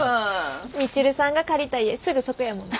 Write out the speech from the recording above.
美知留さんが借りた家すぐそこやもんね。